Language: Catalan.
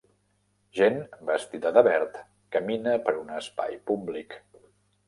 Gent vestida de verd camina per un espai públic.